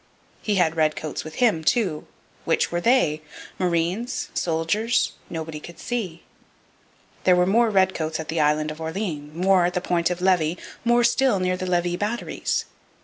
He had redcoats with him, too. Which were they? Marines? Soldiers? Nobody could see. There were more redcoats at the island of Orleans, more at the Point of Levy, more still near the Levis batteries.